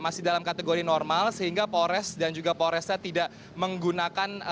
masih dalam kategori normal sehingga polres dan juga polresta tidak menggunakan